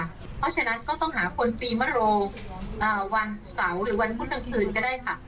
เพราะฉะนั้นก็ต้องหาคนปีมโรวันเสาร์หรือวันพุธกลางคืนก็ได้ค่ะ